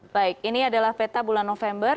baik ini adalah peta bulan november